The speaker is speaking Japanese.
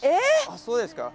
あっそうですか。